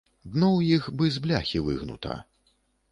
Дно ў іх бы з бляхі выгнута.